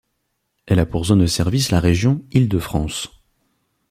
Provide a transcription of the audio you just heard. Elle a pour zone de service la région Île-de-France.